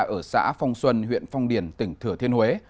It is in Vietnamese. ở xã phong xuân huyện phong điền tỉnh thừa thiên huế